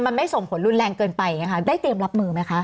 มันไม่ส่งผลรุนแรงเกินไปได้เตรียมรับมือไหมคะ